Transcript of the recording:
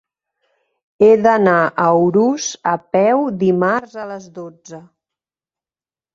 He d'anar a Urús a peu dimarts a les dotze.